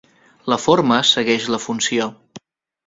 La forma segueix la funció.